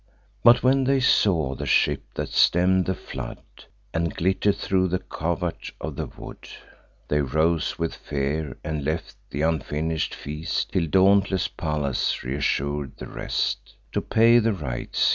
But, when they saw the ships that stemm'd the flood, And glitter'd thro' the covert of the wood, They rose with fear, and left th' unfinish'd feast, Till dauntless Pallas reassur'd the rest To pay the rites.